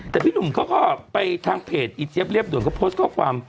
แต่พี่หนุ่มเขาก็ไปทางเพจอีเจี๊ยเรียบด่วนเขาโพสต์ข้อความ